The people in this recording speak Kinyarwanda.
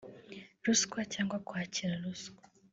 ruswa cyangwa kwakira ruswa